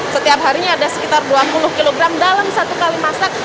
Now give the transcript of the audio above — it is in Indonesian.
setiap harinya ada sekitar dua puluh kg dalam satu kali masak